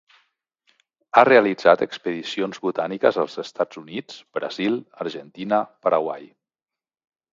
Ha realitzat expedicions botàniques als Estats Units, Brasil, Argentina, Paraguai.